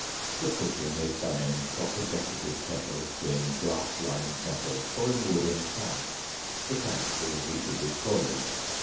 The cooking is done in copper jacketed kettles, in glass lined metal, or in wooden tanks, the tanks being heated with coils.